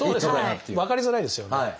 分かりづらいですよね。